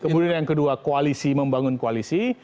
kemudian yang kedua koalisi membangun koalisi